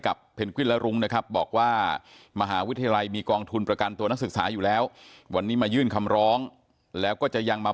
คุณน้อยมีคนตลอดอยู่เรื่องนี้